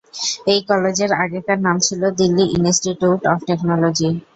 এই কলেজের আগেকার নাম ছিল দিল্লি ইনস্টিটিউট অফ টেকনোলজি।